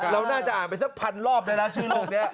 เราน่าจะอ่านไปสักพันรอบแล้วนะชื่อโลกนี้